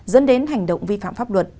dẫn đến hành động vi phạm pháp luật